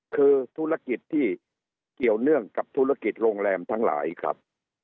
คือธุรกิจที่เกี่ยวเนื่องกับธุรกิจโรงแรมทั้งหลายครับ